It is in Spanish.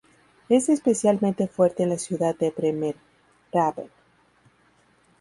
Es especialmente fuerte en la ciudad de Bremerhaven.